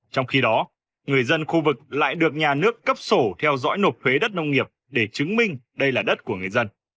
trong khi đó người dân khu vực lại được nhà nước cấp sổ theo dõi nộp thuế đất nông nghiệp để chứng minh đây là đất của người dân